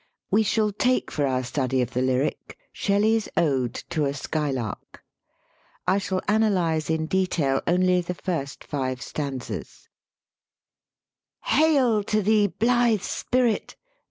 We shall take for our study of the lyric Shelley's ode, "To a Skylark." I shall ana lyze in detail only the first five stanzas : "Hail to thee, blithe Spirit!